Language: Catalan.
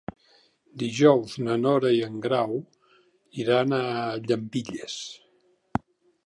Dijous na Nora i en Grau iran a Llambilles.